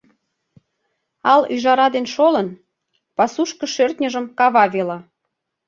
Ал ӱжара ден шолын, Пасушко шӧртньыжым кава вела.